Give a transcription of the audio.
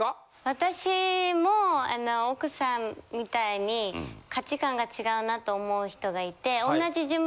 私も奥さんみたいに価値観が違うなと思う人がいて。